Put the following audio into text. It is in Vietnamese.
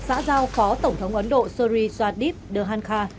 xã giao phó tổng thống ấn độ suri swadip dehan kha